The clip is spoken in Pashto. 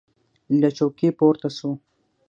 له چوکۍ پورته سو.